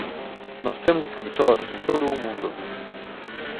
Nós temos escritórios em todo o mundo.